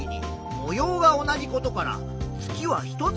模様が同じだから月は１つ。